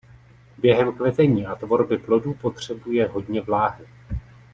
Během kvetení a tvorby plodů potřebuje hodně vláhy.